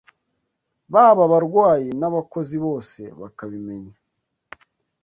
baba abarwayi n’abakozi bose bakabimenya